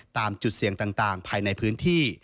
ตามจุดเสี่ยงต่างภายในพื้นที่